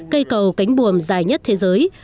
cây cầu cánh buồm dài nhất thế giới